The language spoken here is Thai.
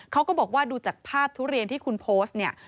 เขาก็บอกว่าดูจากภาพทุเรียนที่คุณโพสต์เนี่ย